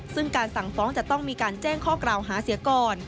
ซึ่งการสั่งฟ้องจะต้องมีการแจ้งข้อกล่าวหาเสียก่อน